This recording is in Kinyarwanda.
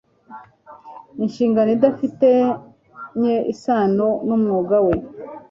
inshingano idafitanye isano n'umwuga we